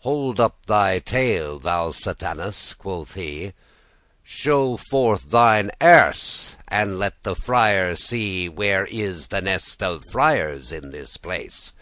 Hold up thy tail, thou Satanas,' quoth he, 'Shew forth thine erse, and let the friar see Where is the nest of friars in this place.